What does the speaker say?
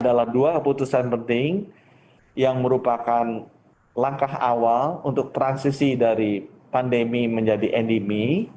adalah dua keputusan penting yang merupakan langkah awal untuk transisi dari pandemi menjadi endemi